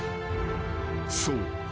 ［そう。